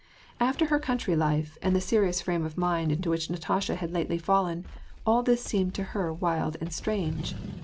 After her country life, and the serious frame of mind into which Natasha had lately fallen, all this seemed to her wild and strange.